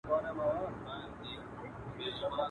د سېلیو هیبتناکه آوازونه.